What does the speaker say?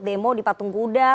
demo di patung guda